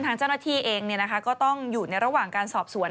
ทางเจ้าหน้าที่เองก็ต้องอยู่ในระหว่างการสอบสวน